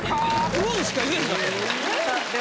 「うん」しか言えへんかったで。